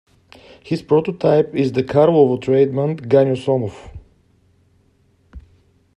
His prototype is the Karlovo tradesman Ganyo Somov.